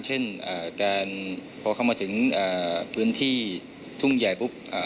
เช่นการพอเข้ามาถึงพื้นที่ทุ่งใหญ่ปุ๊บ